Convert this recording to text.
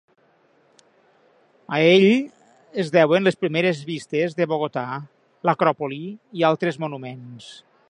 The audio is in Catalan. A ell es deuen les primeres vistes de Bogotà, l'Acròpoli i altres monuments.